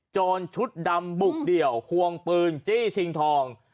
ชุดดำบุกเดี่ยวควงปืนจี้ชิงทอง